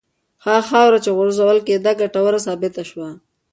هغه خاوره چې غورځول کېده ګټوره ثابته شوه.